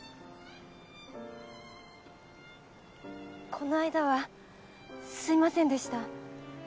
この間はすいませんでした。